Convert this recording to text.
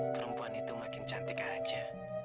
perempuan itu makin cantik aja